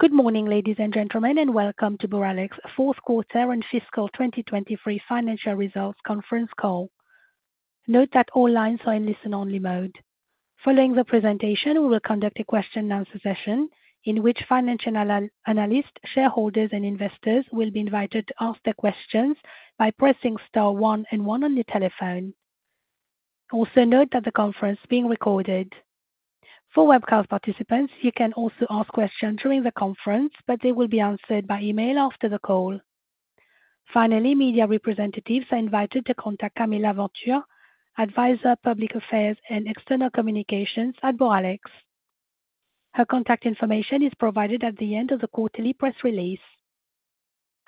Good morning, ladies and gentlemen, and welcome to Boralex's Fourth Quarter and Fiscal 2023 financial results conference call. Note that all lines are in listen-only mode. Following the presentation, we will conduct a question-and-answer session in which financial analysts, shareholders, and investors will be invited to ask their questions by pressing star one and one on your telephone. Also note that the conference is being recorded. For webcast participants, you can also ask questions during the conference, but they will be answered by email after the call. Finally, media representatives are invited to contact Camille Laventure, Advisor, Public Affairs and External Communications at Boralex. Her contact information is provided at the end of the quarterly press release.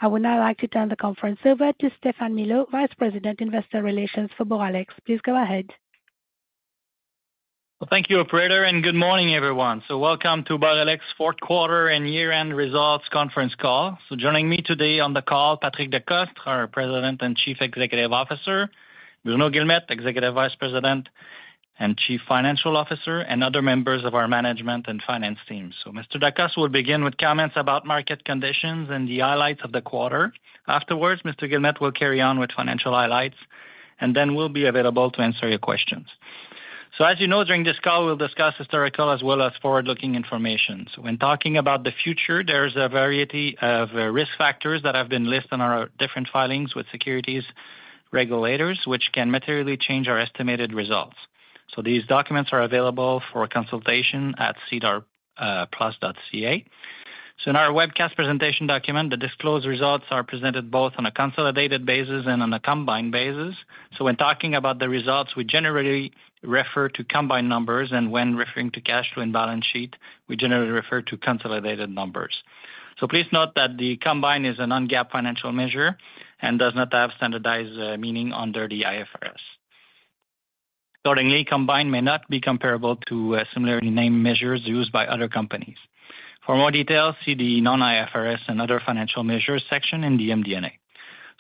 I would now like to turn the conference over to Stéphane Milot, Vice President, Investor Relations for Boralex. Please go ahead. Well, thank you, Operator, and good morning, everyone. Welcome to Boralex's Fourth Quarter and Year-End results conference call. Joining me today on the call, Patrick Decostre, our President and Chief Executive Officer, Bruno Guilmette, Executive Vice President and Chief Financial Officer, and other members of our management and finance team. Mr. Decostre will begin with comments about market conditions and the highlights of the quarter. Afterwards, Mr. Guilmette will carry on with financial highlights, and then we'll be available to answer your questions. As you know, during this call, we'll discuss historical as well as forward-looking information. When talking about the future, there's a variety of risk factors that have been listed on our different filings with securities regulators, which can materially change our estimated results. These documents are available for consultation at sedarplus.ca. So in our webcast presentation document, the disclosed results are presented both on a consolidated basis and on a combined basis. When talking about the results, we generally refer to combined numbers, and when referring to cash flow and balance sheet, we generally refer to consolidated numbers. Please note that the combined is a non-GAAP financial measure and does not have standardized meaning under the IFRS. Accordingly, combined may not be comparable to similarly named measures used by other companies. For more details, see the non-IFRS and other financial measures section in the MD&A.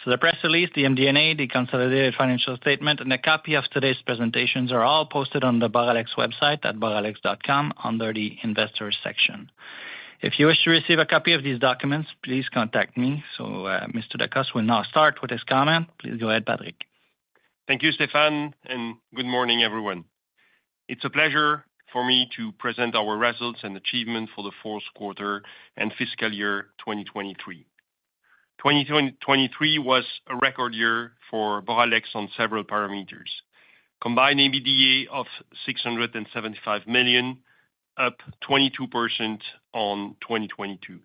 The press release, the MD&A, the consolidated financial statement, and a copy of today's presentations are all posted on the Boralex website at boralex.com under the investors section. If you wish to receive a copy of these documents, please contact me. Mr. Decostre will now start with his comment. Please go ahead, Patrick. Thank you, Stéphane, and good morning, everyone. It's a pleasure for me to present our results and achievements for the fourth quarter and fiscal year 2023. 2023 was a record year for Boralex on several parameters: combined EBITDA(A) of 675 million, up 22% on 2022;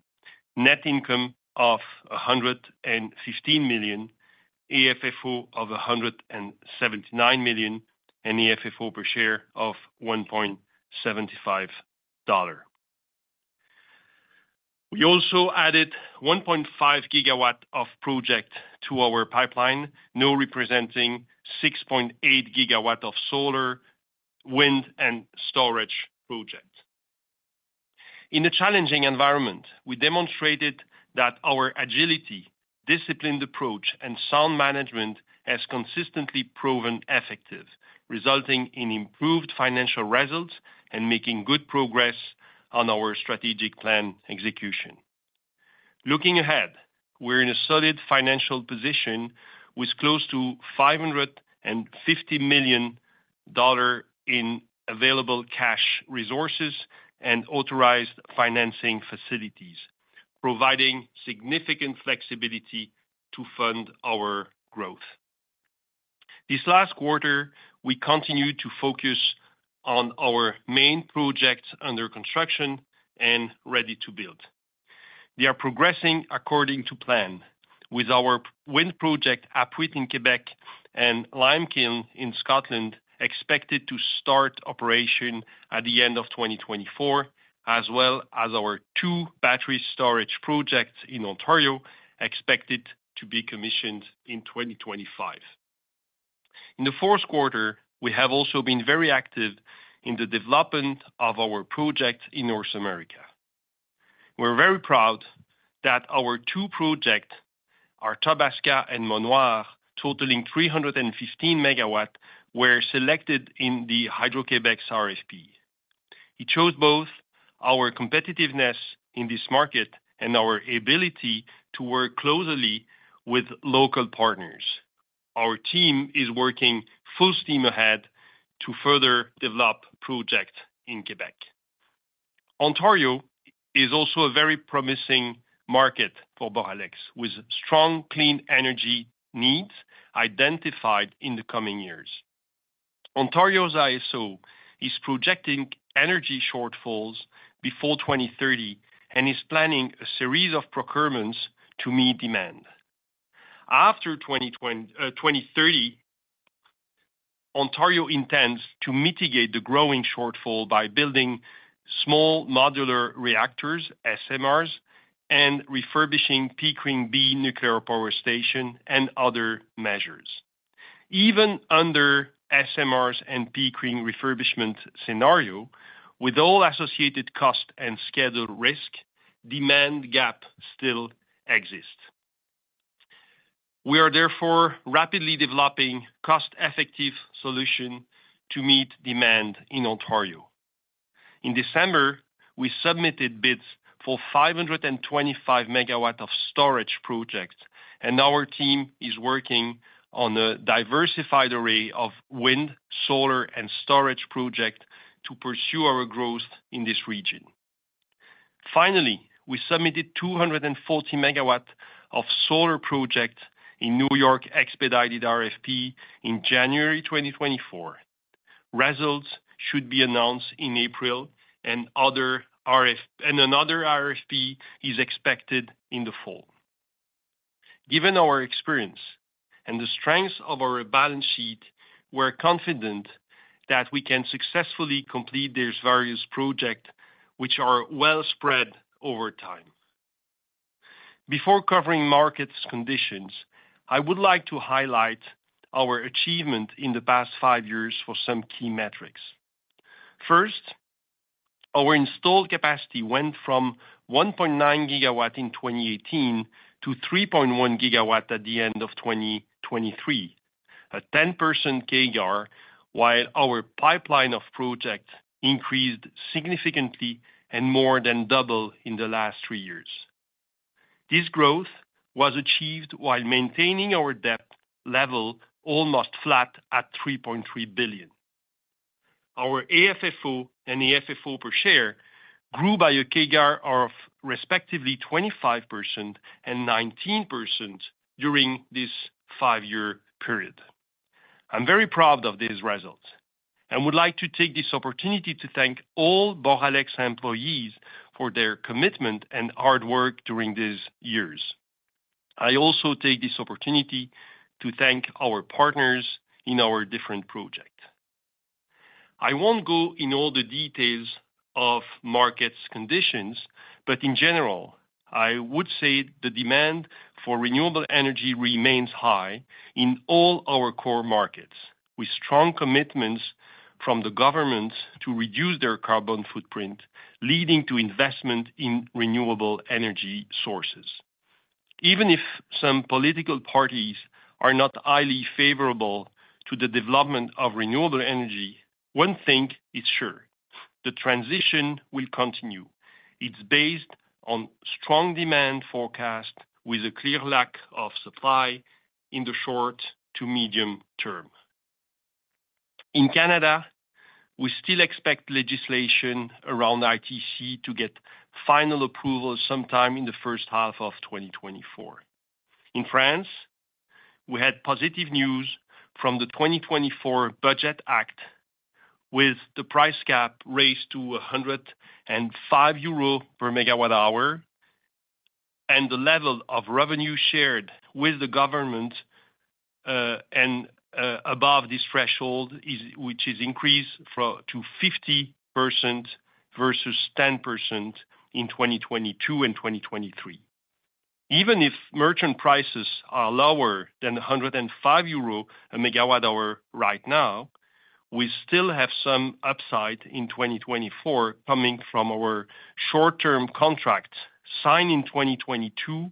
net income of 115 million; AFFO of 179 million; and AFFO per share of 1.75 dollar. We also added 1.5 GW of project to our pipeline, now representing 6.8 GW of solar, wind, and storage projects. In a challenging environment, we demonstrated that our agility, disciplined approach, and sound management have consistently proven effective, resulting in improved financial results and making good progress on our strategic plan execution. Looking ahead, we're in a solid financial position with close to 550 million dollar in available cash resources and authorized financing facilities, providing significant flexibility to fund our growth. This last quarter, we continued to focus on our main projects under construction and ready-to-build. They are progressing according to plan, with our wind project Apuiat in Quebec and Limekiln in Scotland expected to start operation at the end of 2024, as well as our two battery storage projects in Ontario expected to be commissioned in 2025. In the fourth quarter, we have also been very active in the development of our project in North America. We're very proud that our two projects, Arthabaska and Monnoir, totaling 315 MW, were selected in the Hydro-Québec's RFP. It shows both our competitiveness in this market and our ability to work closely with local partners. Our team is working full steam ahead to further develop projects in Quebec. Ontario is also a very promising market for Boralex, with strong clean energy needs identified in the coming years. Ontario's IESO is projecting energy shortfalls before 2030 and is planning a series of procurements to meet demand. After 2030, Ontario intends to mitigate the growing shortfall by building small modular reactors, SMRs, and refurbishing Pickering B nuclear power station and other measures. Even under SMRs and Pickering refurbishment scenario, with all associated cost and schedule risk, demand gaps still exist. We are therefore rapidly developing cost-effective solutions to meet demand in Ontario. In December, we submitted bids for 525 MW of storage projects, and our team is working on a diversified array of wind, solar, and storage projects to pursue our growth in this region. Finally, we submitted 240 MW of solar projects in New York expedited RFP in January 2024. Results should be announced in April, and another RFP is expected in the fall. Given our experience and the strength of our balance sheet, we're confident that we can successfully complete these various projects, which are well spread over time. Before covering market conditions, I would like to highlight our achievements in the past five years for some key metrics. First, our installed capacity went from 1.9 GW in 2018 to 3.1 GW at the end of 2023, a 10% GAR, while our pipeline of projects increased significantly and more than double in the last three years. This growth was achieved while maintaining our debt level almost flat at 3.3 billion. Our AFFO and AFFO per share grew by a GAR of respectively 25% and 19% during this five-year period. I'm very proud of these results and would like to take this opportunity to thank all Boralex employees for their commitment and hard work during these years. I also take this opportunity to thank our partners in our different projects. I won't go into all the details of market conditions, but in general, I would say the demand for renewable energy remains high in all our core markets, with strong commitments from the government to reduce their carbon footprint, leading to investment in renewable energy sources. Even if some political parties are not highly favorable to the development of renewable energy, one thing is sure: the transition will continue. It's based on strong demand forecasts with a clear lack of supply in the short to medium term. In Canada, we still expect legislation around ITC to get final approval sometime in the first half of 2024. In France, we had positive news from the 2024 Budget Act, with the price cap raised to 105 euro per MWh, and the level of revenue shared with the government above this threshold, which is increased to 50% versus 10% in 2022 and 2023. Even if merchant prices are lower than 105 euro per MWh right now, we still have some upside in 2024 coming from our short-term contract signed in 2022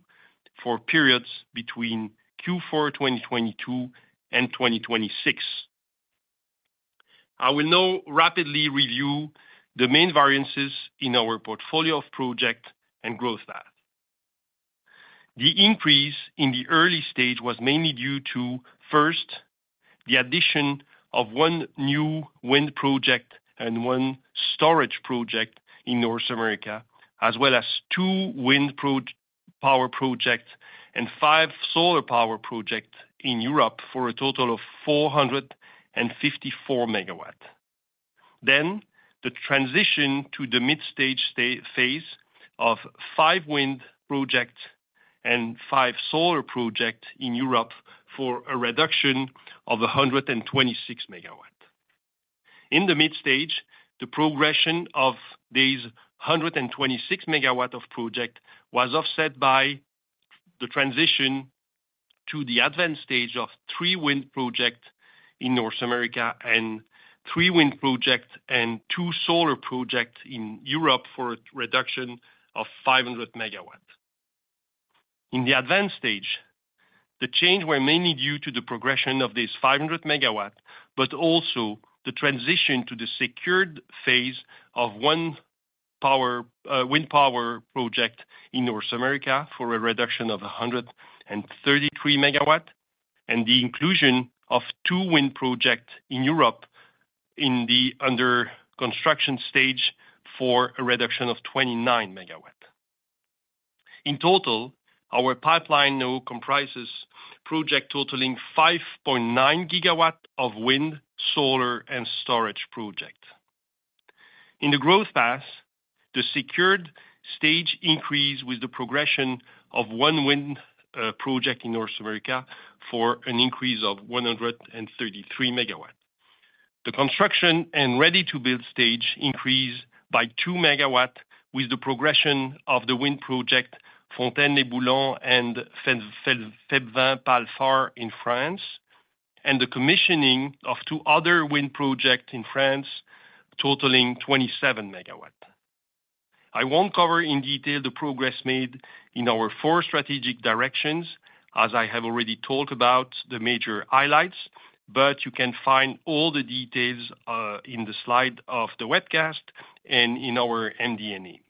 for periods between Q4 2022 and 2026. I will now rapidly review the main variances in our portfolio of projects and growth path. The increase in the early stage was mainly due to, first, the addition of one new wind project and one storage project in North America, as well as two wind power projects and five solar power projects in Europe for a total of 454 MW. Then, the transition to the mid-stage phase of five wind projects and five solar projects in Europe for a reduction of 126 MW. In the mid-stage, the progression of these 126 MW of projects was offset by the transition to the advanced stage of three wind projects in North America and three wind projects and two solar projects in Europe for a reduction of 500 MW. In the advanced stage, the change was mainly due to the progression of these 500 MW, but also the transition to the secured phase of one wind power project in North America for a reduction of 133 MW, and the inclusion of two wind projects in Europe in the under-construction stage for a reduction of 29 MW. In total, our pipeline now comprises projects totaling 5.9 GW of wind, solar, and storage projects. In the growth path, the secured stage increased with the progression of one wind project in North America for an increase of 133 MW. The construction and ready-to-build stage increased by 2 MW with the progression of the wind projects Fontaine-les-Boulins and Febvins-Palfart in France, and the commissioning of two other wind projects in France totaling 27 MW. I won't cover in detail the progress made in our four strategic directions, as I have already talked about the major highlights, but you can find all the details in the slide of the webcast and in our MD&A.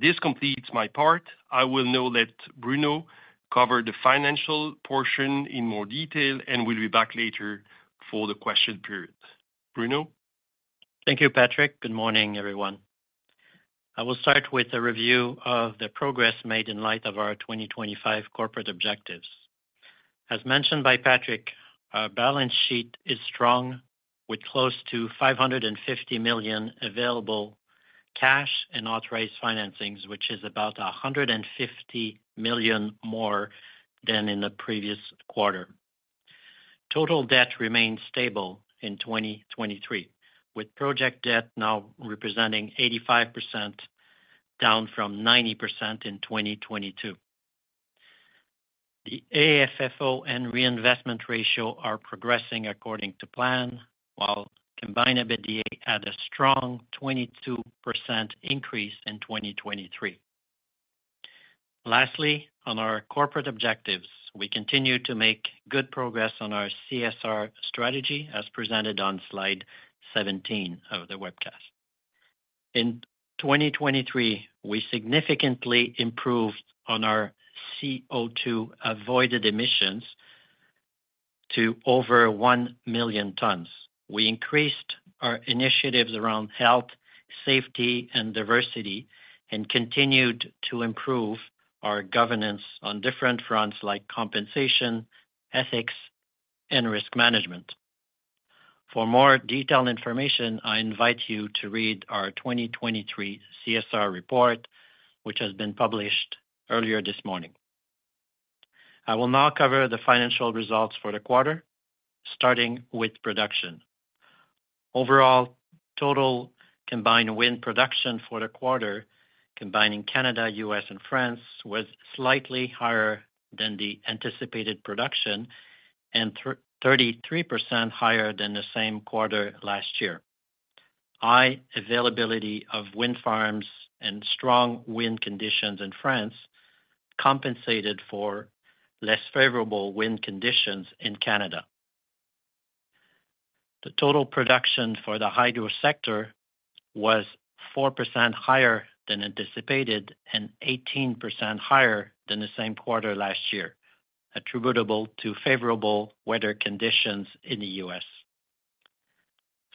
This completes my part. I will now let Bruno cover the financial portion in more detail and will be back later for the question period. Bruno? Thank you, Patrick. Good morning, everyone. I will start with a review of the progress made in light of our 2025 corporate objectives. As mentioned by Patrick, our balance sheet is strong, with close to 550 million available cash and authorized financings, which is about 150 million more than in the previous quarter. Total debt remained stable in 2023, with project debt now representing 85% down from 90% in 2022. The AFFO and reinvestment ratio are progressing according to plan, while combined EBITDA had a strong 22% increase in 2023. Lastly, on our corporate objectives, we continue to make good progress on our CSR strategy, as presented on slide 17 of the webcast. In 2023, we significantly improved on our CO2 avoided emissions to over 1 million tons. We increased our initiatives around health, safety, and diversity, and continued to improve our governance on different fronts like compensation, ethics, and risk management. For more detailed information, I invite you to read our 2023 CSR report, which has been published earlier this morning. I will now cover the financial results for the quarter, starting with production. Overall, total combined wind production for the quarter, combining Canada, U.S., and France, was slightly higher than the anticipated production and 33% higher than the same quarter last year. High availability of wind farms and strong wind conditions in France compensated for less favorable wind conditions in Canada. The total production for the hydro sector was 4% higher than anticipated and 18% higher than the same quarter last year, attributable to favorable weather conditions in the U.S.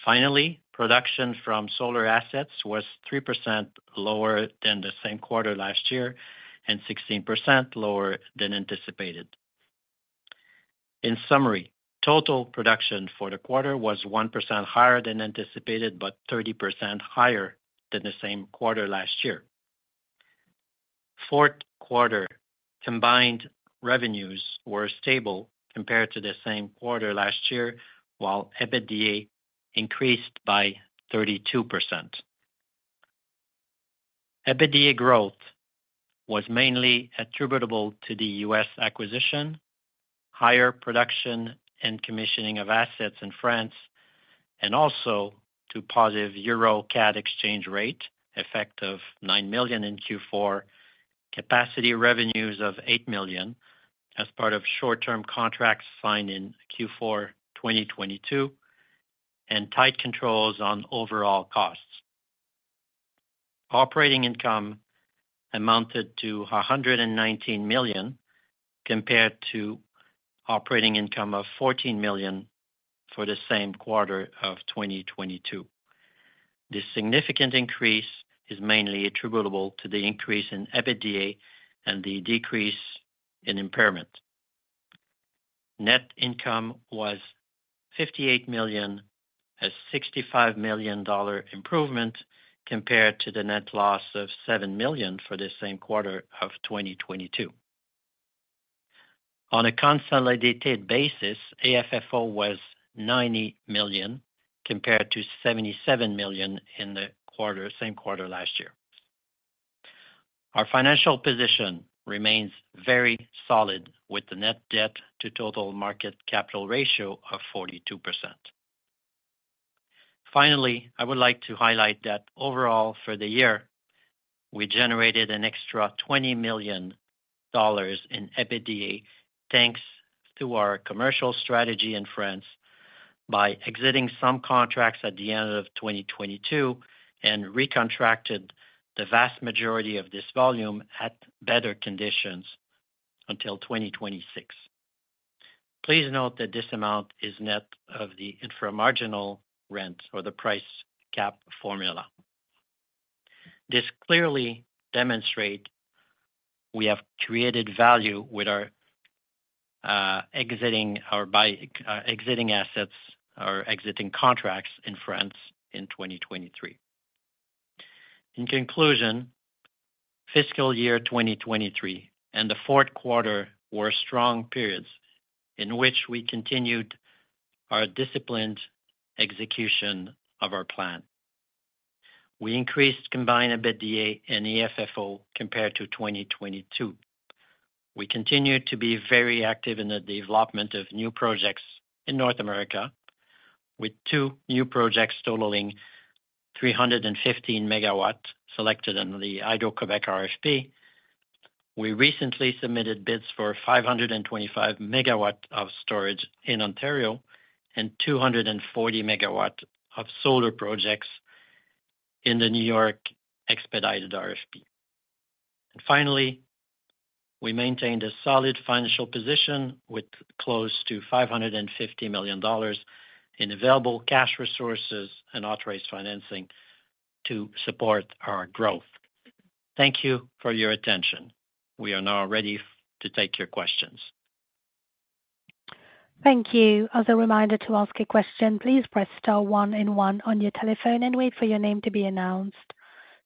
Finally, production from solar assets was 3% lower than the same quarter last year and 16% lower than anticipated. In summary, total production for the quarter was 1% higher than anticipated but 30% higher than the same quarter last year. Fourth quarter, combined revenues were stable compared to the same quarter last year, while EBITDA increased by 32%. EBITDA growth was mainly attributable to the U.S. acquisition, higher production and commissioning of assets in France, and also to positive Euro CAD exchange rate, effective 9 million in Q4, capacity revenues of 8 million as part of short-term contracts signed in Q4 2022, and tight controls on overall costs. Operating income amounted to 119 million compared to operating income of 14 million for the same quarter of 2022. This significant increase is mainly attributable to the increase in EBITDA and the decrease in impairment. Net income was 58 million, a 65 million dollar improvement compared to the net loss of 7 million for the same quarter of 2022. On a consolidated basis, AFFO was 90 million compared to 77 million in the same quarter last year. Our financial position remains very solid, with the net debt-to-total market capital ratio of 42%. Finally, I would like to highlight that overall for the year, we generated an extra 20 million dollars in EBITDA thanks to our commercial strategy in France by exiting some contracts at the end of 2022 and recontracted the vast majority of this volume at better conditions until 2026. Please note that this amount is net of the inframarginal rent or the price cap formula. This clearly demonstrates we have created value with exiting assets or exiting contracts in France in 2023. In conclusion, fiscal year 2023 and the fourth quarter were strong periods in which we continued our disciplined execution of our plan. We increased combined EBITDA(A) and AFFO compared to 2022. We continue to be very active in the development of new projects in North America, with two new projects totaling 315 MW selected in the Hydro-Québec RFP. We recently submitted bids for 525 MW of storage in Ontario and 240 MW of solar projects in the New York Expedited RFP. Finally, we maintained a solid financial position with close to 550 million dollars in available cash resources and authorized financing to support our growth. Thank you for your attention. We are now ready to take your questions. Thank you. As a reminder to ask a question, please press star one and one on your telephone and wait for your name to be announced.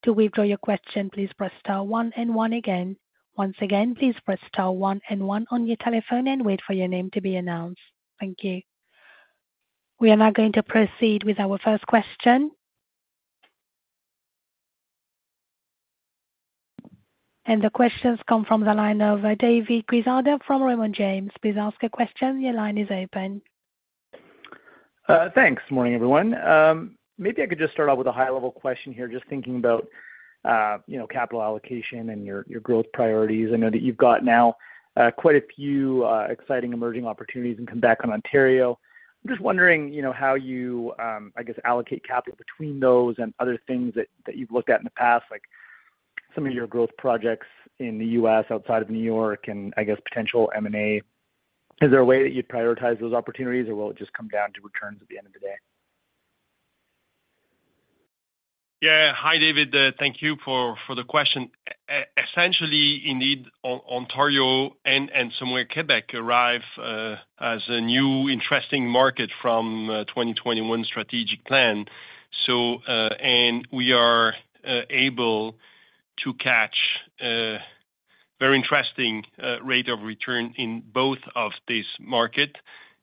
To withdraw your question, please press star one and one again. Once again, please press star one and one on your telephone and wait for your name to be announced. Thank you. We are now going to proceed with our first question. The questions come from the line of David Quezada from Raymond James. Please ask a question. Your line is open. Thanks. Morning, everyone. Maybe I could just start off with a high-level question here, just thinking about capital allocation and your growth priorities. I know that you've got now quite a few exciting emerging opportunities in Quebec and Ontario. I'm just wondering how you allocate capital between those and other things that you've looked at in the past, like some of your growth projects in the U.S. outside of New York and potential M&A. Is there a way that you'd prioritize those opportunities, or will it just come down to returns at the end of the day? Yeah. Hi, David. Thank you for the question. Essentially, indeed, Ontario and Quebec arrive as a new, interesting market from the 2021 strategic plan. We are able to catch a very interesting rate of return in both of these markets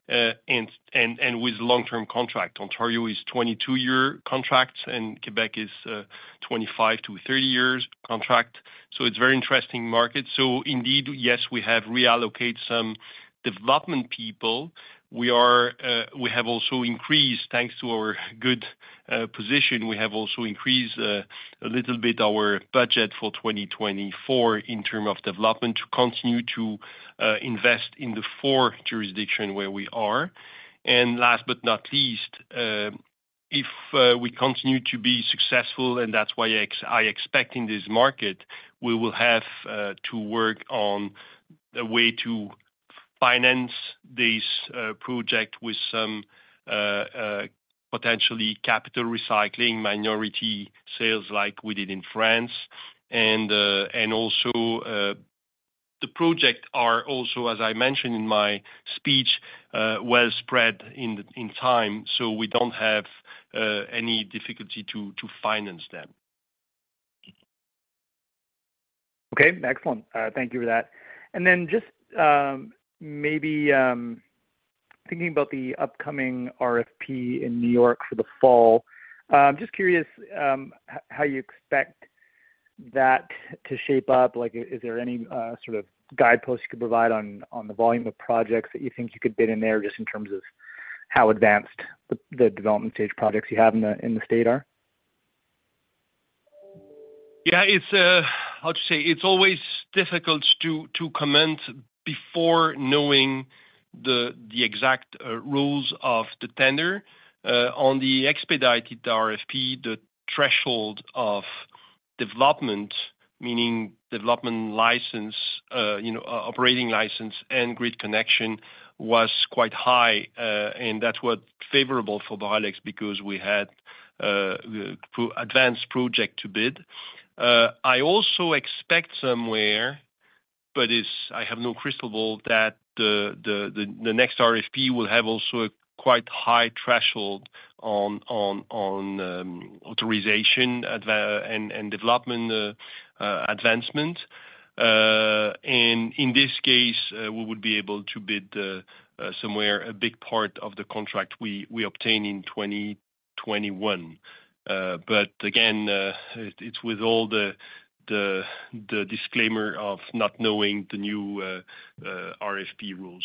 and with long-term contracts. Ontario is a 22-year contract, and Quebec is a 25-30-year contract. So it's a very interesting market. So indeed, yes, we have reallocated some development people. We have also increased, thanks to our good position, we have also increased a little bit our budget for 2024 in terms of development to continue to invest in the four jurisdictions where we are. Last but not least, if we continue to be successful, and that's why I expect in this market, we will have to work on a way to finance these projects with some potentially capital recycling, minority sales like we did in France. Also, the projects are also, as I mentioned in my speech, well spread in time, so we don't have any difficulty to finance them. Okay. Excellent. Thank you for that. Then just maybe thinking about the upcoming RFP in New York for the fall, I'm just curious how you expect that to shape up. Is there any sort of guidepost you could provide on the volume of projects that you think you could bid in there just in terms of how advanced the development stage projects you have in the state are? Yeah. How to say? It's always difficult to comment before knowing the exact rules of the tender. On the Expedited RFP, the threshold of development, meaning development license, operating license, and grid connection, was quite high, and that was favorable for Boralex because we had advanced projects to bid. I also expect somewhere, but I have no crystal ball, that the next RFP will have also a quite high threshold on authorization and development advancement. And in this case, we would be able to bid somewhere a big part of the contract we obtained in 2021. But again, it's with all the disclaimer of not knowing the new RFP rules.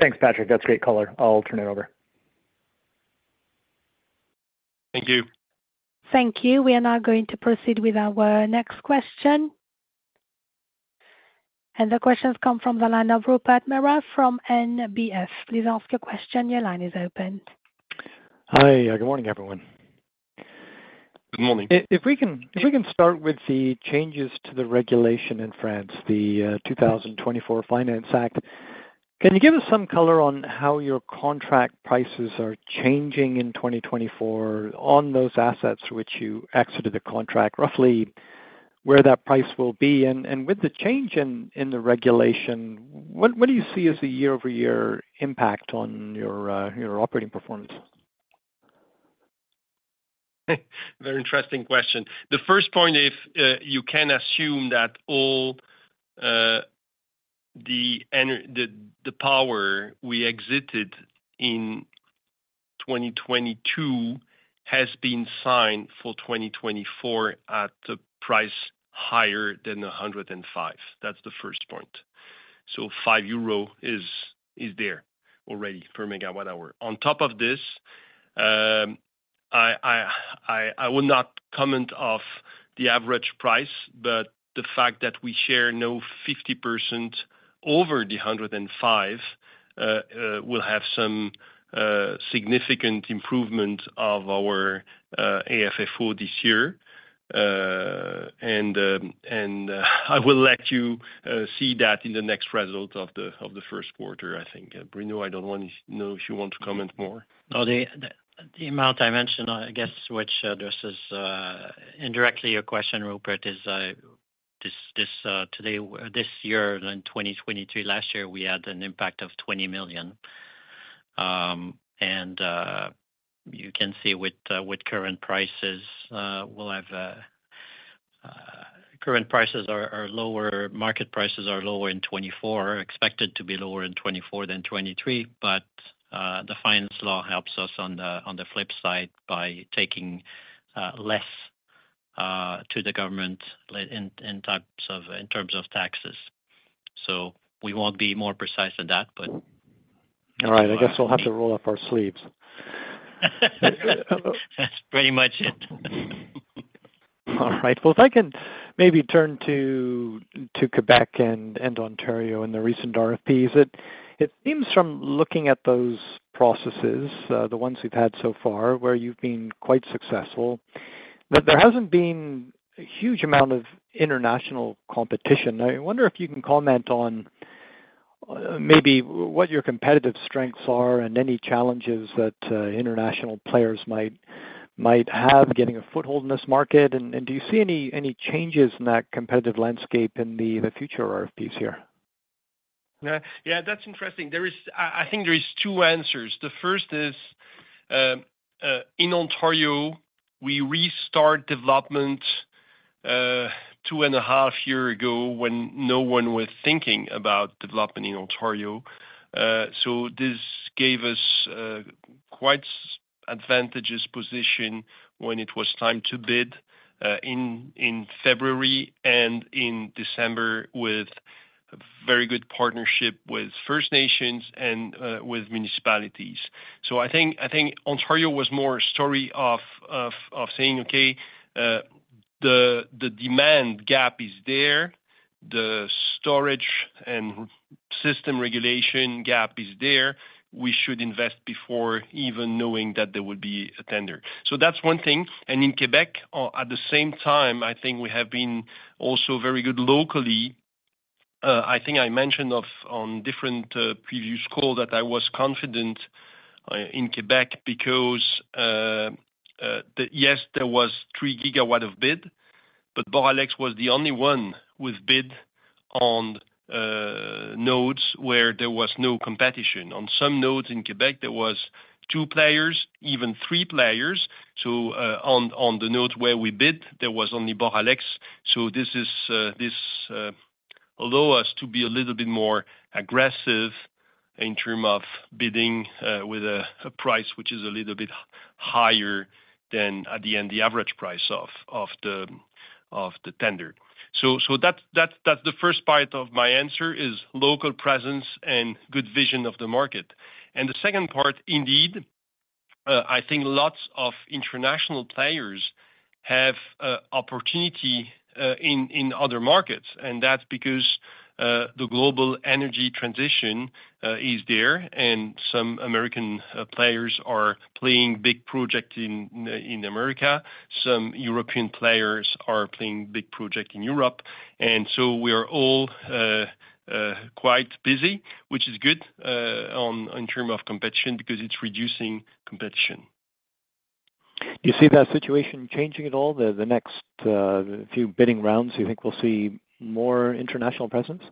Thanks, Patrick. That's great color. I'll turn it over. Thank you. Thank you. We are now going to proceed with our next question. The questions come from the line of Rupert Merer from NBF. Please ask your question. Your line is open. Hi. Good morning, everyone. Good morning. If we can start with the changes to the regulation in France, the 2024 Finance Act, can you give us some color on how your contract prices are changing in 2024 on those assets which you exited the contract, roughly where that price will be? And with the change in the regulation, what do you see as the year-over-year impact on your operating performance? Very interesting question. The first point is you can assume that all the power we exited in 2022 has been signed for 2024 at a price higher than 105. That's the first point. So 5 euro is there already per MWh. On top of this, I will not comment on the average price, but the fact that we share no 50% over the 105 will have some significant improvement of our AFFO this year. And I will let you see that in the next result of the first quarter, I think. Bruno, I don't know if you want to comment more. Oh, the amount I mentioned, I guess, which addresses indirectly your question, Rupert, is this year, in 2023. Last year, we had an impact of 20 million. You can see with current prices, we'll have current prices are lower, market prices are lower in 2024, expected to be lower in 2024 than 2023. But the finance law helps us on the flip side by taking less to the government in terms of taxes. So we won't be more precise than that, but. All right. I guess we'll have to roll up our sleeves. That's pretty much it. All right. Well, if I can maybe turn to Quebec and Ontario and the recent RFPs, it seems from looking at those processes, the ones we've had so far, where you've been quite successful, that there hasn't been a huge amount of international competition. I wonder if you can comment on maybe what your competitive strengths are and any challenges that international players might have getting a foothold in this market. Do you see any changes in that competitive landscape in the future RFPs here? Yeah. That's interesting. I think there are two answers. The first is in Ontario, we restarted development two and a half years ago when no one was thinking about development in Ontario. So this gave us a quite advantageous position when it was time to bid in February and in December with a very good partnership with First Nations and with municipalities. So I think Ontario was more a story of saying, "Okay, the demand gap is there. The storage and system regulation gap is there. We should invest before even knowing that there would be a tender." So that's one thing. And in Quebec, at the same time, I think we have been also very good locally. I think I mentioned on different previous calls that I was confident in Quebec because, yes, there was 3 GW of bid, but Boralex was the only one with bid on nodes where there was no competition. On some nodes in Quebec, there were two players, even three players. So on the nodes where we bid, there was only Boralex. So this allowed us to be a little bit more aggressive in terms of bidding with a price which is a little bit higher than, at the end, the average price of the tender. So that's the first part of my answer, is local presence and good vision of the market. And the second part, indeed, I think lots of international players have opportunity in other markets. And that's because the global energy transition is there, and some American players are playing big projects in America. Some European players are playing big projects in Europe. So we are all quite busy, which is good in terms of competition because it's reducing competition. Do you see that situation changing at all the next few bidding rounds? Do you think we'll see more international presence?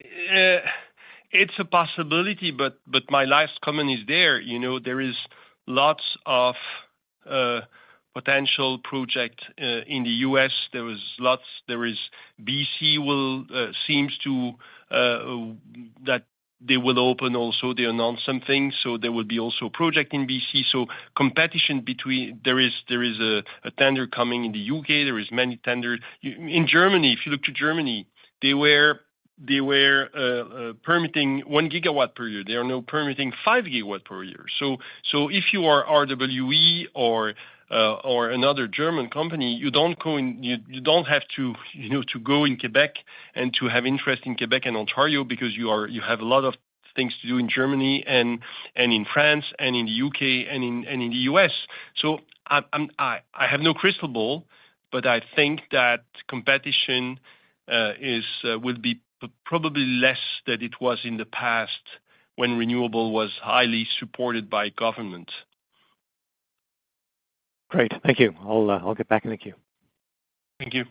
It's a possibility, but my last comment is there. There are lots of potential projects in the U.S. There is BC that seems that they will open also. They announced something, so there will be also a project in BC. So competition between there is a tender coming in the U.K. There are many tenders. In Germany, if you look to Germany, they were permitting 1 GW per year. They are now permitting 5 GW per year. So if you are RWE or another German company, you don't have to go in Quebec and to have interest in Quebec and Ontario because you have a lot of things to do in Germany and in France and in the U.K. and in the U.S. I have no crystal ball, but I think that competition will be probably less than it was in the past when renewable was highly supported by government. Great. Thank you. I'll get back in the queue. Thank you.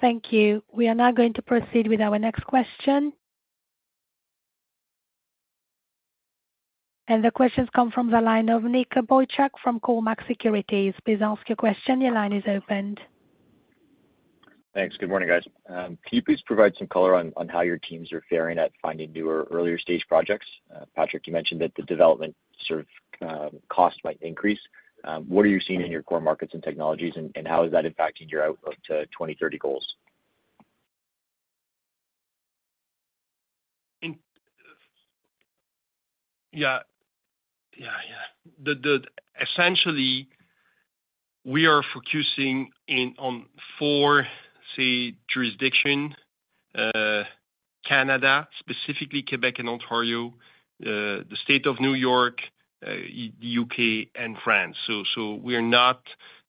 Thank you. We are now going to proceed with our next question. The questions come from the line of Nic Boychuk from Cormark Securities. Please ask your question. Your line is opened. Thanks. Good morning, guys. Can you please provide some color on how your teams are faring at finding newer earlier-stage projects? Patrick, you mentioned that the development sort of cost might increase. What are you seeing in your core markets and technologies, and how is that impacting your outlook to 2030 goals? Yeah. Yeah. Yeah. Essentially, we are focusing on four jurisdictions: Canada, specifically Quebec and Ontario, the state of New York, the U.K., and France. So we are not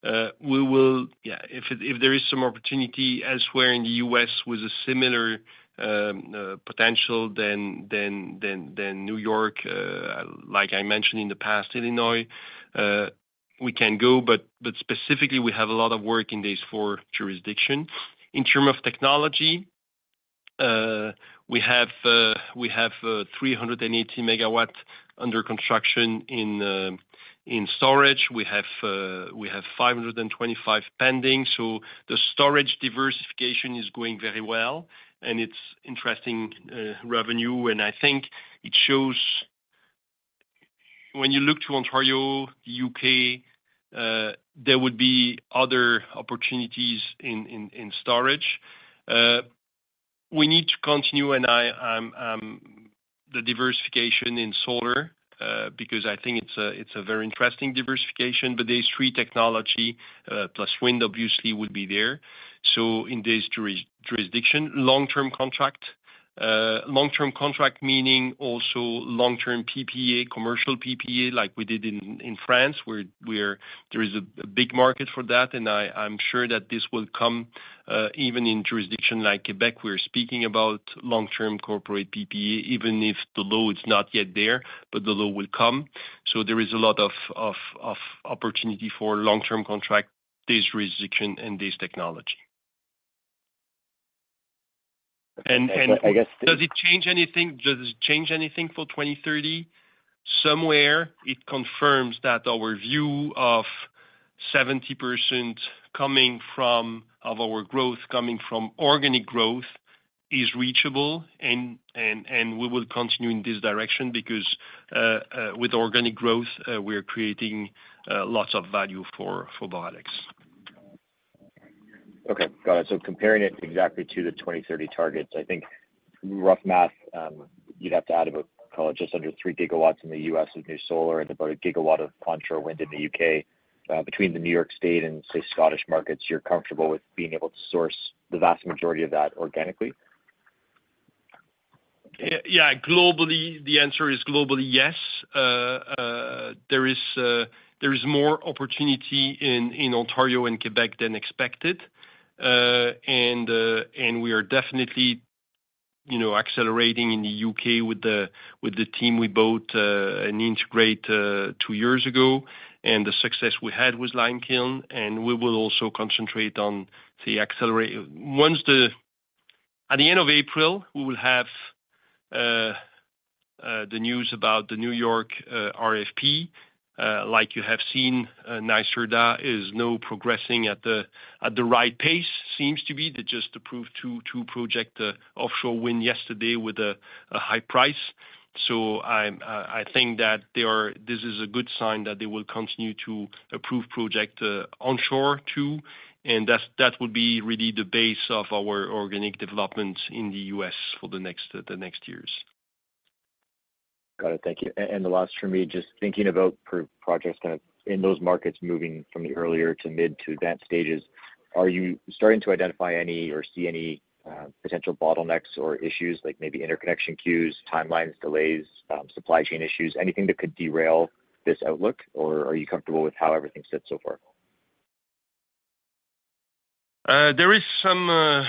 yeah. If there is some opportunity elsewhere in the U.S. with a similar potential than New York, like I mentioned in the past, Illinois, we can go. But specifically, we have a lot of work in these four jurisdictions. In terms of technology, we have 380 MW under construction in storage. We have 525 MW pending. So the storage diversification is going very well, and it's interesting revenue. And I think it shows when you look to Ontario, the U.K., there would be other opportunities in storage. We need to continue, and the diversification in solar because I think it's a very interesting diversification. But these three technologies, plus wind, obviously, would be there in these jurisdictions. Long-term contract, meaning also long-term PPA, commercial PPA like we did in France, where there is a big market for that. I'm sure that this will come even in jurisdictions like Quebec. We are speaking about long-term corporate PPA, even if the law is not yet there, but the law will come. So there is a lot of opportunity for long-term contract, these jurisdictions, and this technology. And. I guess. Does it change anything? Does it change anything for 2030? Somewhere, it confirms that our view of 70% of our growth coming from organic growth is reachable, and we will continue in this direction because with organic growth, we are creating lots of value for Boralex. Okay. Got it. So comparing it exactly to the 2030 targets, I think rough math, you'd have to add about, call it, just under 3 gigawatts in the U.S. of new solar and about a gigawatt of contra wind in the U.K. Between the New York State and, say, Scottish markets, you're comfortable with being able to source the vast majority of that organically? Yeah. Globally, the answer is globally, yes. There is more opportunity in Ontario and Quebec than expected. And we are definitely accelerating in the UK with the team we built and integrated two years ago. And the success we had was Limekiln. And we will also concentrate on, say, accelerate at the end of April, we will have the news about the New York RFP. Like you have seen, NYSERDA is progressing at the right pace, seems to be. They just approved two projects offshore wind yesterday with a high price. So I think that this is a good sign that they will continue to approve projects onshore too. And that would be really the base of our organic development in the U.S. for the next years. Got it. Thank you. And the last for me, just thinking about projects in those markets moving from the earlier to mid to advanced stages, are you starting to identify any or see any potential bottlenecks or issues like maybe interconnection queues, timelines, delays, supply chain issues, anything that could derail this outlook? Or are you comfortable with how everything sits so far? There are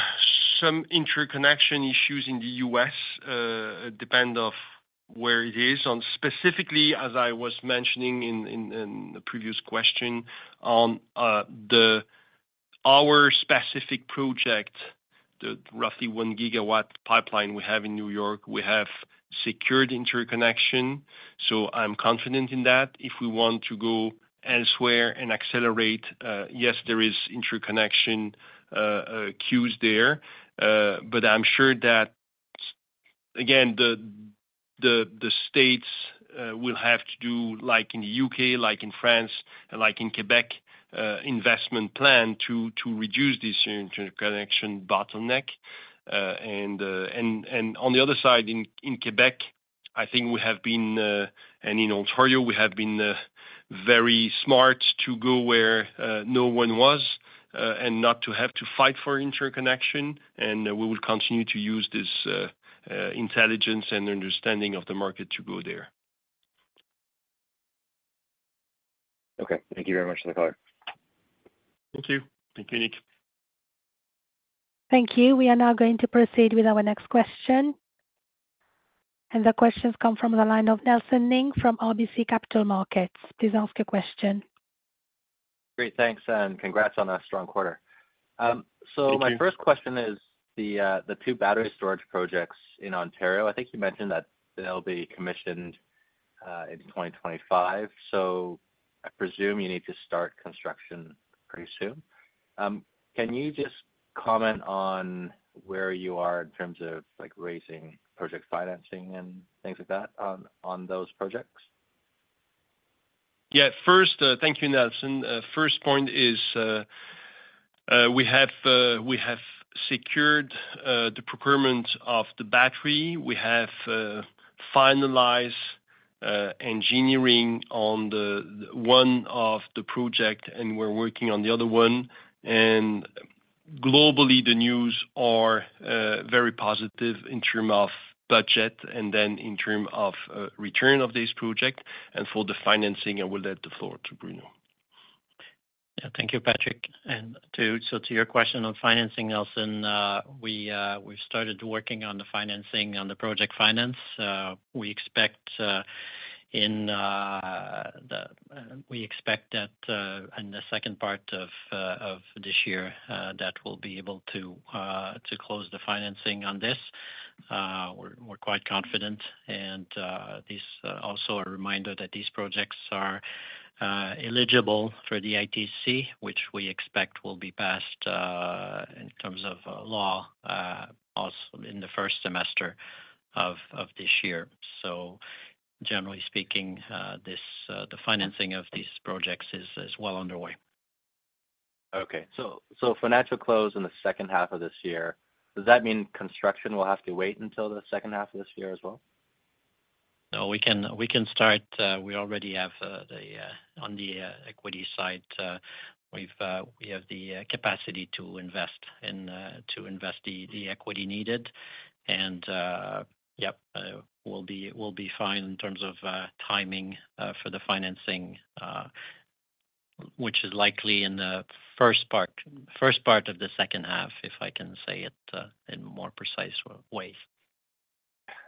some interconnection issues in the U.S. It depends on where it is. Specifically, as I was mentioning in the previous question, on our specific project, the roughly 1 GW pipeline we have in New York, we have secured interconnection. So I'm confident in that. If we want to go elsewhere and accelerate, yes, there are interconnection queues there. But I'm sure that, again, the states will have to do, like in the U.K., like in France, and like in Quebec, investment plan to reduce this interconnection bottleneck. And on the other side, in Quebec, I think we have been and in Ontario, we have been very smart to go where no one was and not to have to fight for interconnection. And we will continue to use this intelligence and understanding of the market to go there. Okay. Thank you very much for the call. Thank you. Thank you, Nick. Thank you. We are now going to proceed with our next question. The questions come from the line of Nelson Ng from RBC Capital Markets. Please ask your question. Great. Thanks. Congrats on a strong quarter. My first question is the two battery storage projects in Ontario. I think you mentioned that they'll be commissioned in 2025. I presume you need to start construction pretty soon. Can you just comment on where you are in terms of raising project financing and things like that on those projects? Yeah. Thank you, Nelson. First point is we have secured the procurement of the battery. We have finalized engineering on one of the projects, and we're working on the other one. And globally, the news are very positive in terms of budget and then in terms of return of this project. And for the financing, I will let the floor to Bruno. Yeah. Thank you, Patrick. And so to your question on financing, Nelson, we've started working on the project finance. We expect that in the second part of this year, that we'll be able to close the financing on this. We're quite confident. And also a reminder that these projects are eligible for the ITC, which we expect will be passed in terms of law in the first semester of this year. So generally speaking, the financing of these projects is well underway. Okay. So financial close in the second half of this year, does that mean construction will have to wait until the second half of this year as well? No, we can start. We already have on the equity side, we have the capacity to invest the equity needed. And yep, we'll be fine in terms of timing for the financing, which is likely in the first part of the second half, if I can say it in a more precise way.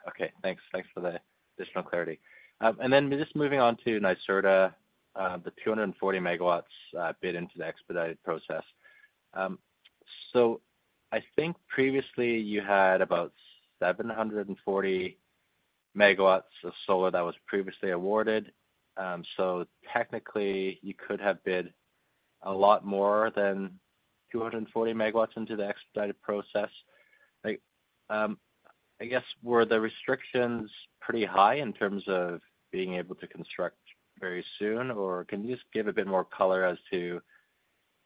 Okay. Thanks. Thanks for the additional clarity. And then just moving on to NYSERDA, the 240 MW bid into the expedited process. So I think previously, you had about 740 MW of solar that was previously awarded. So technically, you could have bid a lot more than 240 MW into the expedited process. I guess, were the restrictions pretty high in terms of being able to construct very soon? Or can you just give a bit more color as to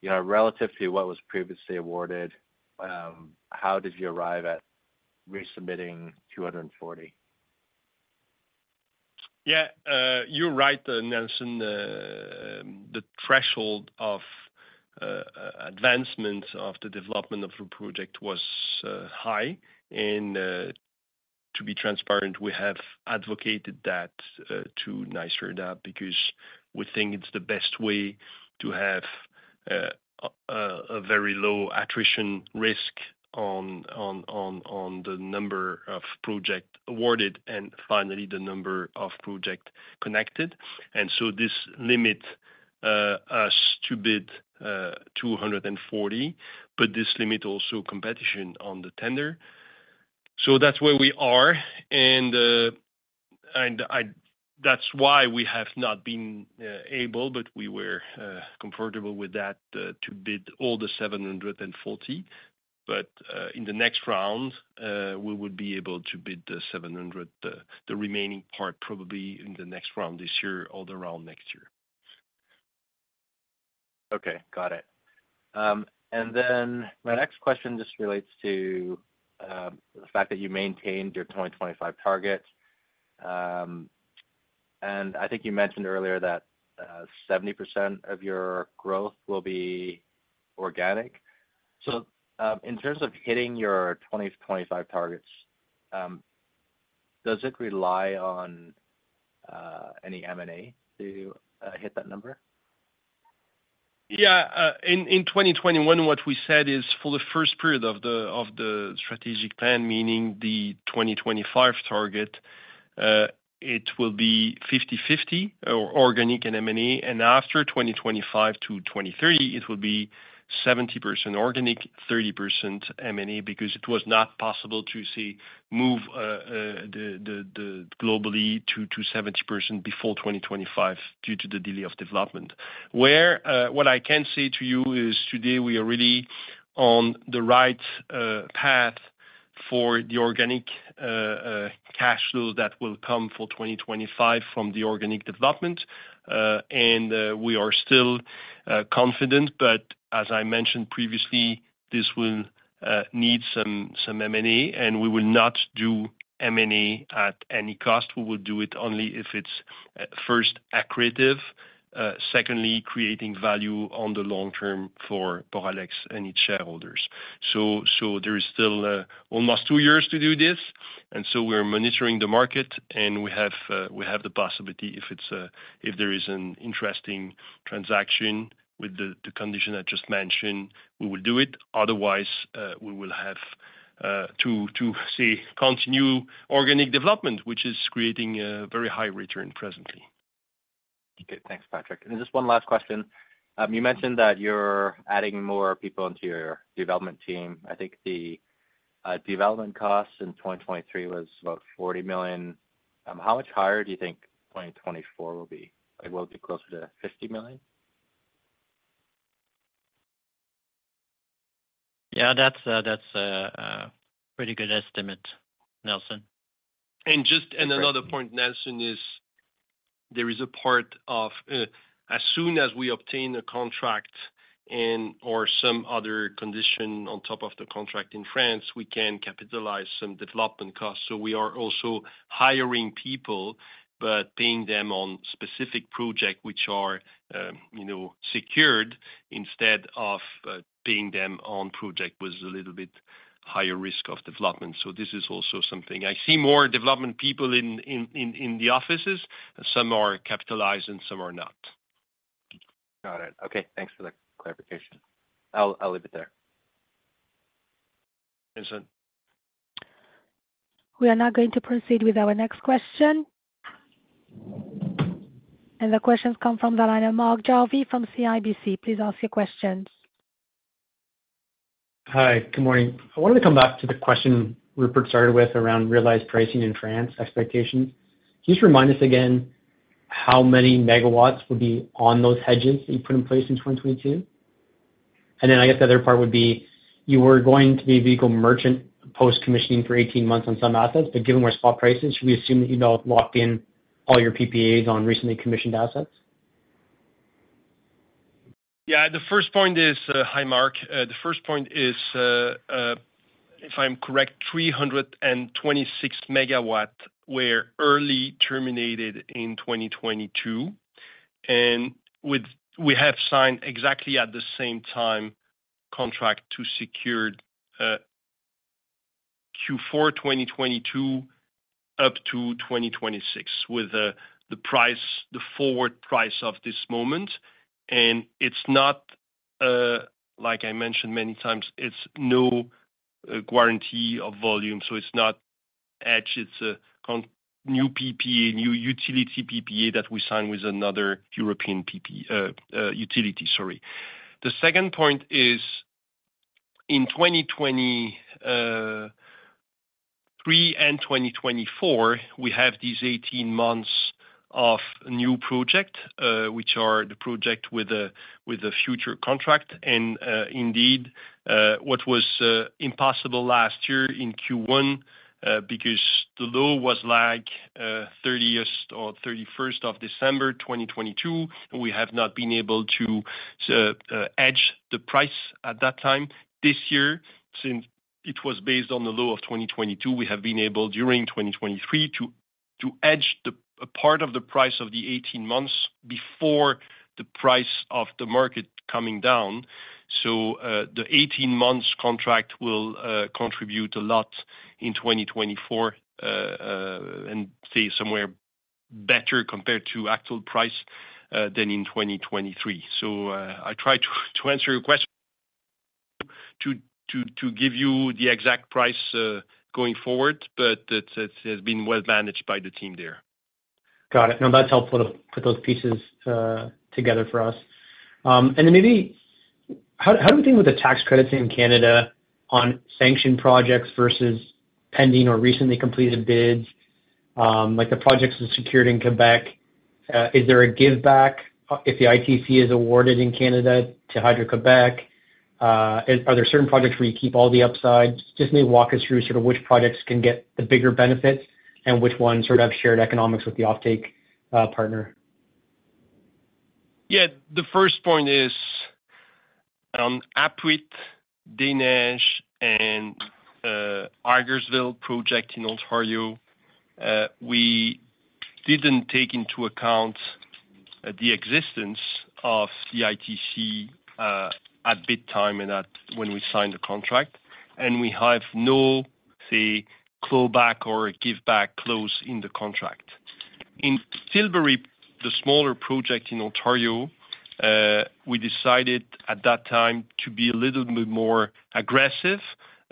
relative to what was previously awarded, how did you arrive at resubmitting 240 MW? Yeah. You're right, Nelson. The threshold of advancement of the development of the project was high. And to be transparent, we have advocated that to NYSERDA because we think it's the best way to have a very low attrition risk on the number of projects awarded and finally the number of projects connected. And so this limits us to bid 240, but this limits also competition on the tender. So that's where we are. And that's why we have not been able, but we were comfortable with that, to bid all the 740. But in the next round, we would be able to bid the 700, the remaining part probably in the next round this year or the round next year. Okay. Got it. Then my next question just relates to the fact that you maintained your 2025 target. I think you mentioned earlier that 70% of your growth will be organic. In terms of hitting your 2025 targets, does it rely on any M&A to hit that number? Yeah. In 2021, what we said is for the first period of the strategic plan, meaning the 2025 target, it will be 50/50 organic and M&A. And after 2025-2030, it will be 70% organic, 30% M&A because it was not possible to, say, move globally to 70% before 2025 due to the delay of development. Where what I can say to you is today, we are really on the right path for the organic cash flow that will come for 2025 from the organic development. And we are still confident. But as I mentioned previously, this will need some M&A, and we will not do M&A at any cost. We will do it only if it's first accretive, secondly, creating value on the long term for Boralex and its shareholders. So there is still almost two years to do this. And so we are monitoring the market, and we have the possibility if there is an interesting transaction with the condition I just mentioned, we will do it. Otherwise, we will have to, say, continue organic development, which is creating a very high return presently. Okay. Thanks, Patrick. And just one last question. You mentioned that you're adding more people into your development team. I think the development costs in 2023 was about 40 million. How much higher do you think 2024 will be? Will it be closer to 50 million? Yeah. That's a pretty good estimate, Nelson. Another point, Nelson, is there is a part of as soon as we obtain a contract or some other condition on top of the contract in France, we can capitalize some development costs. So we are also hiring people but paying them on specific projects which are secured instead of paying them on projects which was a little bit higher risk of development. So this is also something I see more development people in the offices. Some are capitalized, and some are not. Got it. Okay. Thanks for the clarification. I'll leave it there. Nelson? We are now going to proceed with our next question. The questions come from the line of Mark Jarvi from CIBC. Please ask your questions. Hi. Good morning. I wanted to come back to the question Rupert started with around realized pricing in France, expectations. Could you just remind us again how many megawatts would be on those hedges that you put in place in 2022? And then I guess the other part would be you were going to be a merchant post-commissioning for 18 months on some assets. But given where spot price is, should we assume that you've now locked in all your PPAs on recently commissioned assets? Yeah. The first point is, hi, Mark. The first point is, if I'm correct, 326 MW were early terminated in 2022. And we have signed exactly at the same time contract to secure Q4 2022 up to 2026 with the forward price of this moment. And it's not, like I mentioned many times, it's no guarantee of volume. So it's not hedged. It's a new PPA, new utility PPA that we signed with another European utility, sorry. The second point is in 2023 and 2024, we have these 18 months of new projects, which are the projects with a future contract. And indeed, what was impossible last year in Q1 because the low was 30th or 31st of December 2022, we have not been able to hedge the price at that time. This year, since it was based on the low of 2022, we have been able during 2023 to hedge a part of the price of the 18 months before the price of the market coming down. So the 18-month contract will contribute a lot in 2024 and stay somewhere better compared to actual price than in 2023. So I tried to answer your question to give you the exact price going forward, but it has been well managed by the team there. Got it. No, that's helpful to put those pieces together for us. And then maybe how do we think with the tax credits in Canada on sanctioned projects versus pending or recently completed bids? The projects that are secured in Quebec, is there a give-back if the ITC is awarded in Canada to Hydro-Québec? Are there certain projects where you keep all the upside? Just maybe walk us through sort of which projects can get the bigger benefits and which ones sort of have shared economics with the offtake partner. Yeah. The first point is on Apuiat, Des Neiges, and Hagersville projects in Ontario. We didn't take into account the existence of the ITC at bid time when we signed the contract. We have no, say, clawback or a give-back clause in the contract. In Tilbury, the smaller project in Ontario, we decided at that time to be a little bit more aggressive,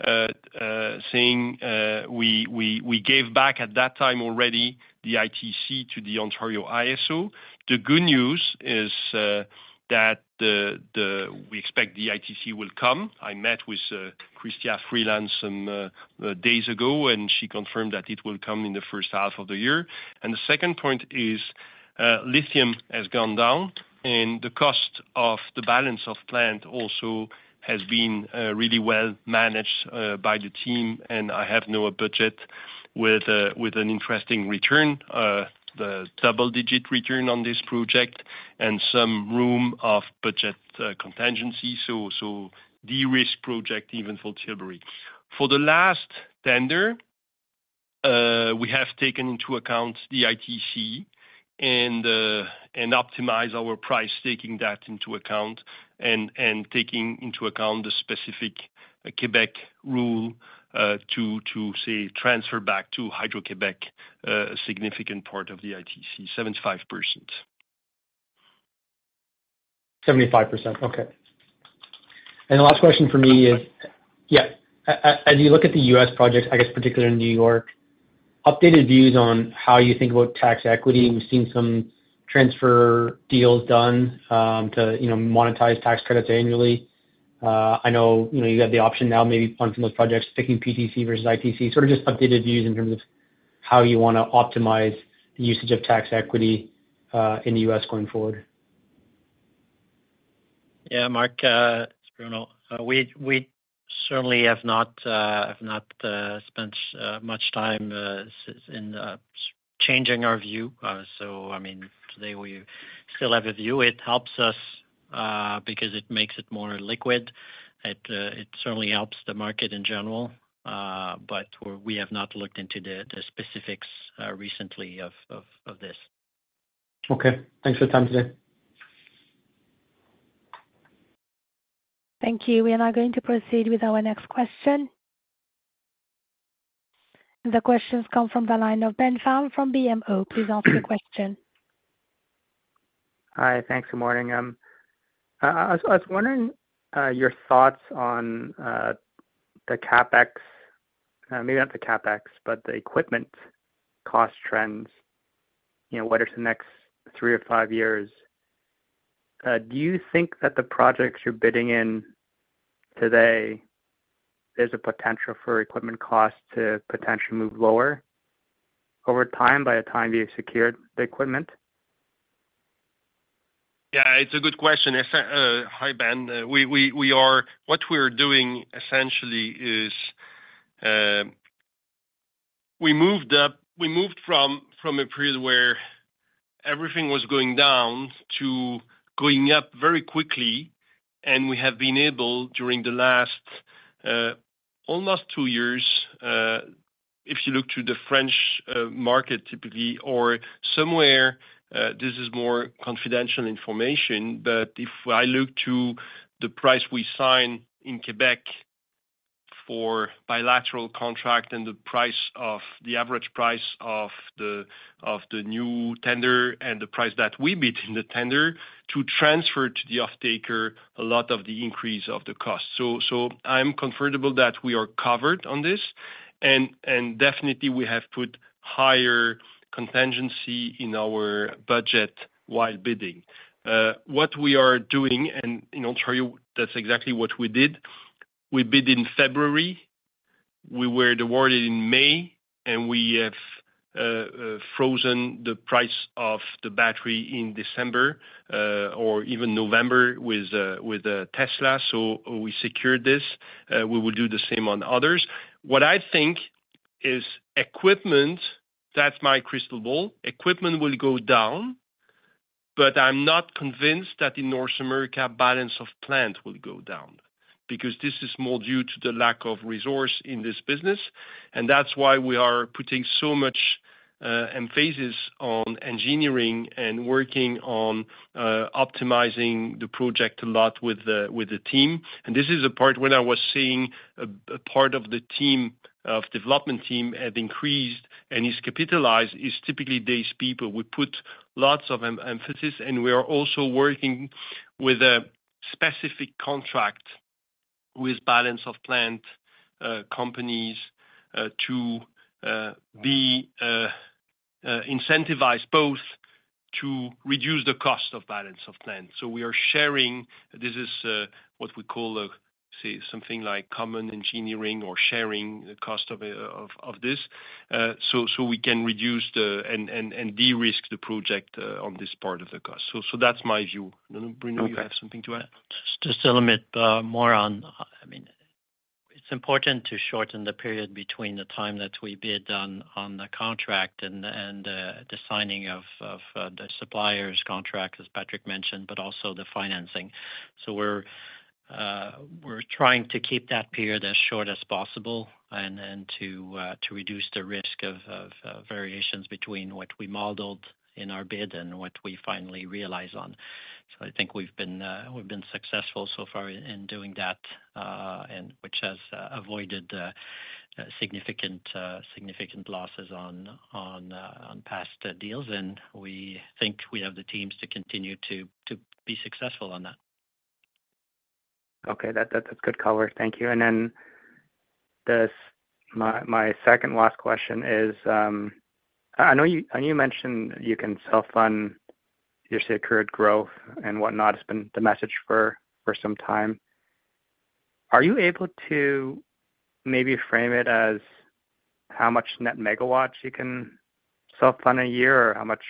saying we gave back at that time already the ITC to the IESO. The good news is that we expect the ITC will come. I met with Chrystia Freeland some days ago, and she confirmed that it will come in the first half of the year. The second point is lithium has gone down, and the cost of the balance of plant also has been really well managed by the team. I have no budget with an interesting return, the double-digit return on this project, and some room of budget contingency. So de-risk project even for Tilbury. For the last tender, we have taken into account the ITC and optimized our price, taking that into account and taking into account the specific Quebec rule to, say, transfer back to Hydro-Québec a significant part of the ITC, 75%. 75%. Okay. And the last question for me is, yeah, as you look at the U.S. projects, I guess particularly in New York, updated views on how you think about tax equity. We've seen some transfer deals done to monetize tax credits annually. I know you have the option now maybe on some of those projects, picking PTC versus ITC, sort of just updated views in terms of how you want to optimize the usage of tax equity in the U.S. going forward. Yeah, Mark, it's Bruno. We certainly have not spent much time changing our view. So I mean, today, we still have a view. It helps us because it makes it more liquid. It certainly helps the market in general. But we have not looked into the specifics recently of this. Okay. Thanks for your time today. Thank you. We are now going to proceed with our next question. The questions come from the line of Ben Pham from BMO. Please ask your question. Hi. Thanks. Good morning. I was wondering your thoughts on the CapEx, maybe not the CapEx, but the equipment cost trends. What is the next three or five years? Do you think that the projects you're bidding in today, there's a potential for equipment costs to potentially move lower over time by the time you've secured the equipment? Yeah. It's a good question. Hi, Ben. What we are doing, essentially, is we moved from a period where everything was going down to going up very quickly. We have been able during the last almost two years, if you look to the French market typically or somewhere, this is more confidential information. But if I look to the price we sign in Quebec for bilateral contract and the average price of the new tender and the price that we bid in the tender to transfer to the offtaker, a lot of the increase of the cost. So I'm comfortable that we are covered on this. Definitely, we have put higher contingency in our budget while bidding. What we are doing and in Ontario, that's exactly what we did. We bid in February. We were awarded in May, and we have frozen the price of the battery in December or even November with Tesla. So we secured this. We will do the same on others. What I think is equipment, that's my crystal ball, equipment will go down. But I'm not convinced that in North America, balance of plant will go down because this is more due to the lack of resource in this business. And that's why we are putting so much emphasis on engineering and working on optimizing the project a lot with the team. And this is a part when I was seeing a part of the development team have increased and is capitalized is typically these people. We put lots of emphasis. And we are also working with a specific contract with balance of plant companies to be incentivized both to reduce the cost of balance of plant. So, we are sharing. This is what we call something like common engineering or sharing the cost of this. So we can reduce and de-risk the project on this part of the cost. So that's my view. Bruno, you have something to add? Just a little bit more on, I mean, it's important to shorten the period between the time that we bid on the contract and the signing of the supplier's contract, as Patrick mentioned, but also the financing. So we're trying to keep that period as short as possible and to reduce the risk of variations between what we modeled in our bid and what we finally realize on. So I think we've been successful so far in doing that, which has avoided significant losses on past deals. And we think we have the teams to continue to be successful on that. Okay. That's good cover. Thank you. And then my second-last question is, I know you mentioned you can self-fund your secured growth and whatnot. Has been the message for some time. Are you able to maybe frame it as how much net megawatts you can self-fund a year or how much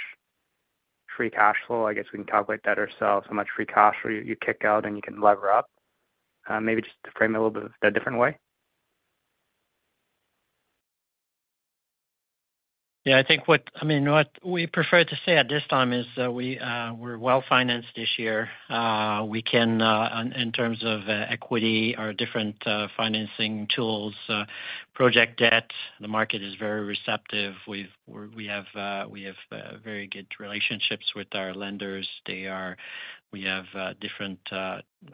free cash flow? I guess we can calculate that ourselves. How much free cash flow you kick out and you can lever up? Maybe just frame it a little bit a different way. Yeah. I mean, what we prefer to say at this time is we're well-financed this year. In terms of equity or different financing tools, project debt, the market is very receptive. We have very good relationships with our lenders. We have different we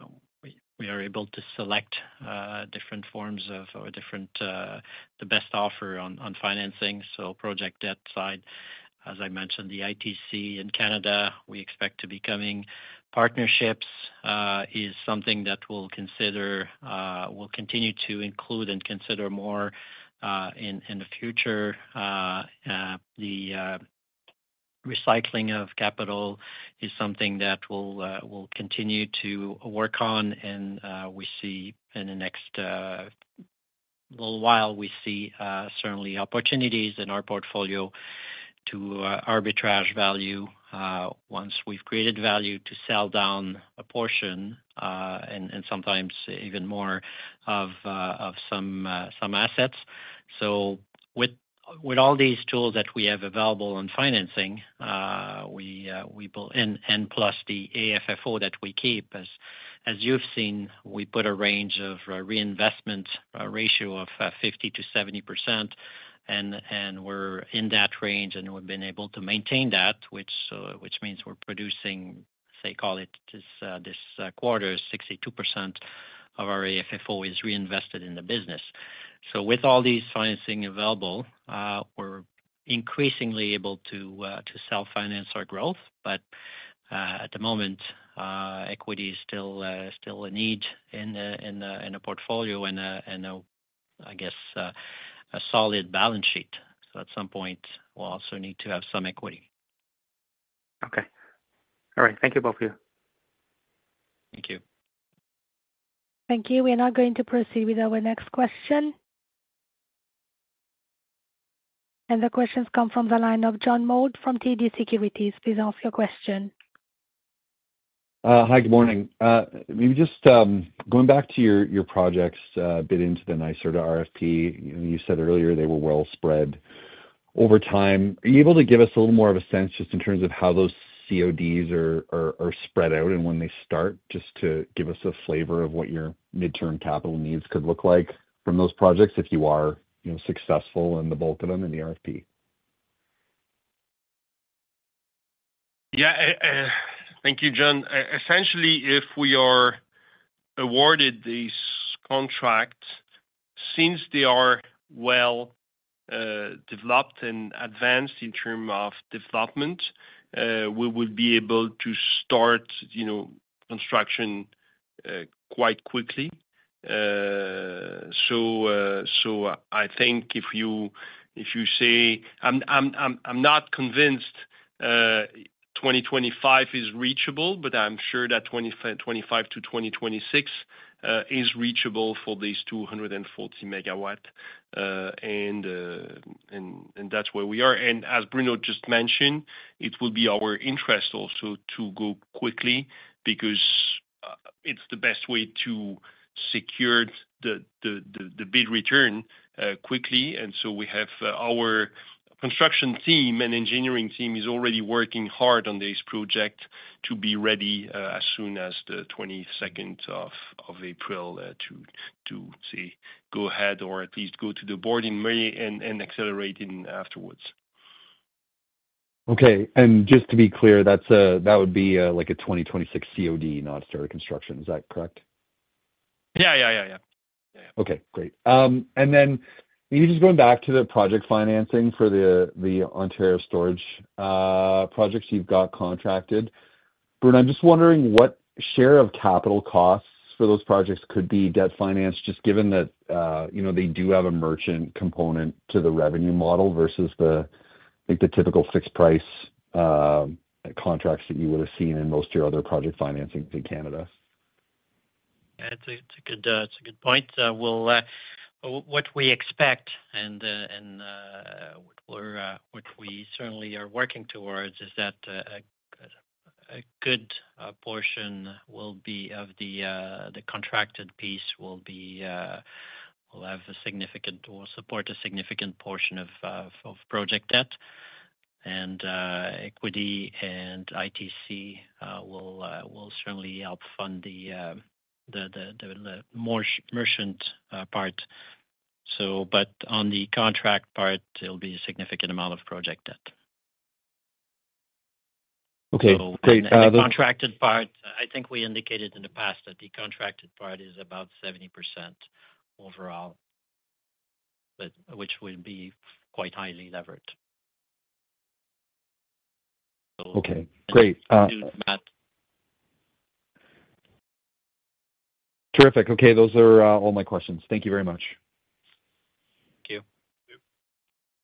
are able to select different forms of the best offer on financing. So project debt side, as I mentioned, the ITC in Canada, we expect to be coming. Partnerships is something that we'll continue to include and consider more in the future. The recycling of capital is something that we'll continue to work on. In the next little while, we see certainly opportunities in our portfolio to arbitrage value once we've created value, to sell down a portion, and sometimes even more of some assets. So with all these tools that we have available on financing, we and plus the AFFO that we keep, as you've seen, we put a range of reinvestment ratio of 50%-70%. And we're in that range. And we've been able to maintain that, which means we're producing, say, call it this quarter, 62% of our AFFO is reinvested in the business. So with all these financing available, we're increasingly able to self-finance our growth. But at the moment, equity is still a need in a portfolio and, I guess, a solid balance sheet. So at some point, we'll also need to have some equity. Okay. All right. Thank you both of you. Thank you. Thank you. We are now going to proceed with our next question. The questions come from the line of John Mould from TD Securities. Please ask your question. Hi. Good morning. Maybe just going back to your projects bid into the NYSERDA RFP, you said earlier they were well spread over time. Are you able to give us a little more of a sense just in terms of how those CODs are spread out and when they start, just to give us a flavor of what your midterm capital needs could look like from those projects if you are successful in the bulk of them in the RFP? Yeah. Thank you, John. Essentially, if we are awarded these contracts, since they are well developed and advanced in terms of development, we will be able to start construction quite quickly. So I think if you say I'm not convinced 2025 is reachable, but I'm sure that 2025-2026 is reachable for these 240 MW. And that's where we are. And as Bruno just mentioned, it will be our interest also to go quickly because it's the best way to secure the bid return quickly. And so we have our construction team and engineering team is already working hard on this project to be ready as soon as the 22nd of April to, say, go ahead or at least go to the board and accelerate afterwards. Okay. And just to be clear, that would be like a 2026 COD, not start a construction. Is that correct? Yeah. Yeah. Yeah. Yeah. Yeah. Okay. Great. And then maybe just going back to the project financing for the Ontario storage projects you've got contracted, Bruno, I'm just wondering what share of capital costs for those projects could be debt financed, just given that they do have a merchant component to the revenue model versus the typical fixed-price contracts that you would have seen in most of your other project financings in Canada? Yeah. It's a good point. What we expect and what we certainly are working towards is that a good portion will be of the contracted piece will have a significant or support a significant portion of project debt. Equity and ITC will certainly help fund the more merchant part. On the contract part, there'll be a significant amount of project debt. Okay. Great. And then the contracted part, I think we indicated in the past that the contracted part is about 70% overall, which will be quite highly levered. Okay. Great. Terrific. Okay. Those are all my questions. Thank you very much. Thank you.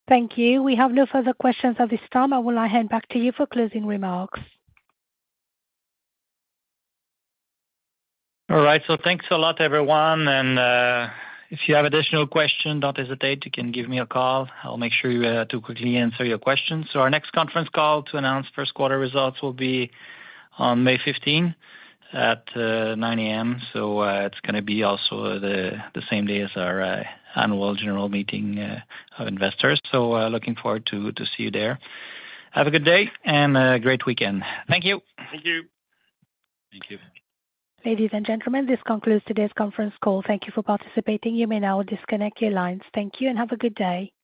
Thank you. We have no further questions at this time. I will now hand back to you for closing remarks. All right. Thanks a lot, everyone. If you have additional questions, don't hesitate. You can give me a call. I'll make sure to quickly answer your questions. Our next conference call to announce first quarter results will be on May 15th at 9:00 A.M. It's going to be also the same day as our annual general meeting of investors. Looking forward to see you there. Have a good day and a great weekend. Thank you. Thank you. Thank you. Ladies and gentlemen, this concludes today's conference call. Thank you for participating. You may now disconnect your lines. Thank you and have a good day.